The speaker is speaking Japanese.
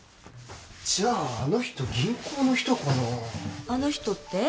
じゃああの人銀行の人かなあの人って？